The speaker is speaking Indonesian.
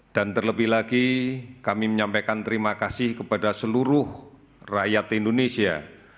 terlebih lagi kami menyampaikan terima kasih kepada seluruh rakyat indonesia